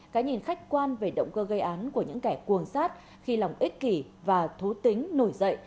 cái nhìn khách quan về động cơ gây án của những kẻ cuồng sát khi lòng ích kỷ và thú tính nổi dậy